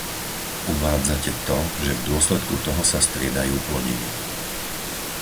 Uvádzate to, že v dôsledku toho sa striedajú plodiny.